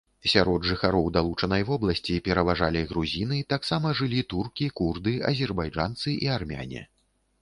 Сярод жыхароў далучанай вобласці пераважалі грузіны, таксама жылі туркі, курды, азербайджанцы і армяне.